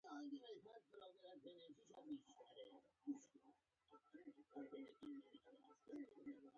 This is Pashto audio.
شمس الدین له افغانستان څخه راځي.